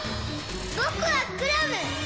ぼくはクラム！